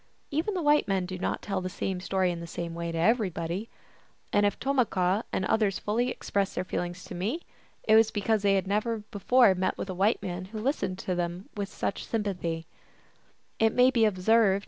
Even white men do not tell the same story in the same way to everybody ; and if Tomahquah and others fully expressed their feelings to me, it was because they had never before met with a white man who listened to them 120 THE ALGONQUIN LEGENDS.